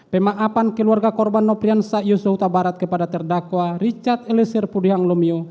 pemaafan keluarga korban noprian sakyus yosua utabarat kepada terdakwa richard elisir pudihanglomio